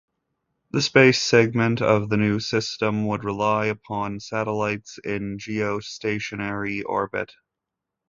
The space segment of the new system would rely upon satellites in geostationary orbit.